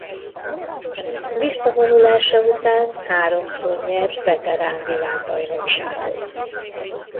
Visszavonulása után háromszor nyert veterán világbajnokságot.